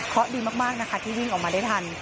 เพราะดีมากนะคะที่วิ่งออกมาได้ทัน